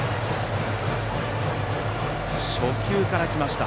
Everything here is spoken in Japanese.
初球から来ました。